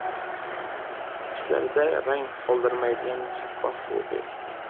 Tishlarda rang qoldirmaydigan shaffof kofe